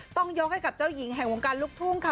ต้องยกให้กับเจ้าหญิงแห่งวงการลูกทุ่งค่ะ